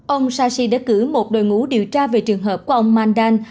ông sashi đã cử một đội ngũ điều tra về trường hợp của ông mandan